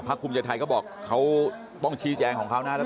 พระคุณวิทย์ก็บอกเขาต้องชี้แจแกงของคราวนั้น